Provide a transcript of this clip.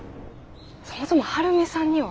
そもそも晴美さんには？